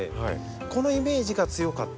このイメージが強かったんです。